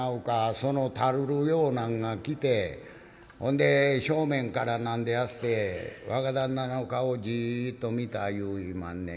「その垂るるようなんが来てほんで正面から何でやすって若旦那の顔をジッと見たいう言いまんねん。